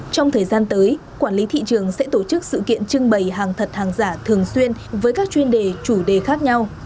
trong thời gian tới quản lý thị trường sẽ tổ chức sự kiện trưng bày hàng thật hàng giả thường xuyên với các chuyên đề chủ đề khác nhau